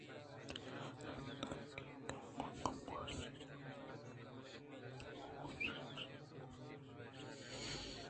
رندا کہ کمّ کمّ ءَ آئی ءَ بود کناں کُت ءُ سر ءُ ہوش ئِے برجاہ بُوہاں بُوتاں